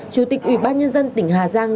chủ tịch ủy ban nhân dân tỉnh hà giang